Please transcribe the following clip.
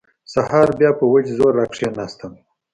سهار بيا په وچ زور راکښېناستم.